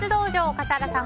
笠原さん